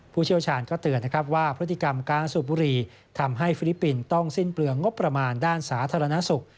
เชี่ยวชาญก็เตือนนะครับว่าพฤติกรรมการสูบบุรีทำให้ฟิลิปปินส์ต้องสิ้นเปลืองงบประมาณด้านสาธารณสุข